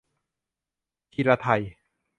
ถิรไทย